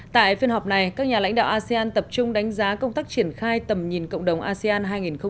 tại phiên họp này các nhà lãnh đạo asean tập trung đánh giá công tác triển khai tầm nhìn cộng đồng asean hai nghìn hai mươi năm